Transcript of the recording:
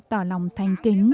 tỏ lòng thành kính